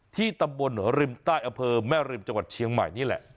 ที่ตำบลริมใต้อำเภอแม่ริมจังหวัดเชียงใหม่นี่แหละ